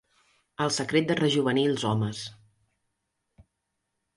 El secret de rejovenir els homes.